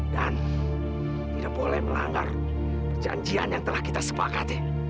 dan tidak boleh melanggar perjanjian yang telah kita sepakat kek